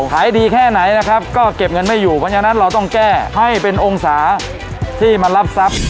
ขายดีแค่ไหนนะครับก็เก็บเงินไม่อยู่เพราะฉะนั้นเราต้องแก้ให้เป็นองศาที่มารับทรัพย์